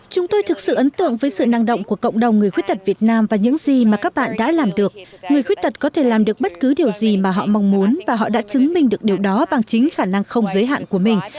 chúng tôi thực sự ấn tượng với sự năng động của cộng đồng người khuyết tật việt nam và những gì mà các bạn đã làm được người khuyết tật có thể làm được bất cứ điều gì mà họ mong muốn và họ đã chứng minh được điều đó bằng chính khả năng không giới hạn của mình